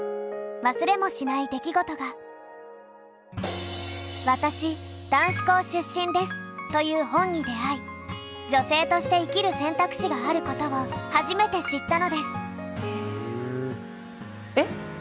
忘れもしない出来事が。という本に出会い女性として生きる選択肢があることを初めて知ったのです。